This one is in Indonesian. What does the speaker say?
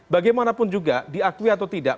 bagaimanapun juga diakui atau tidak